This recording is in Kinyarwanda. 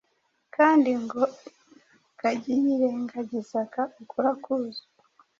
kandi ngo na rugagi yirengagiza ukuri akuzi